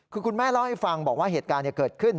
คือคุณแม่เล่าให้ฟังบอกว่าเหตุการณ์เกิดขึ้น